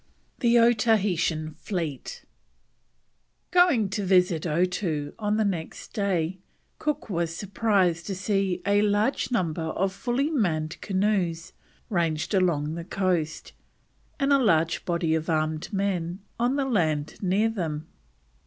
THE OTAHEITAN FLEET. Going to visit Otoo on the next day, Cook was surprised to see a large number of fully manned canoes ranged along the coast, and a large body of armed men on the land near them.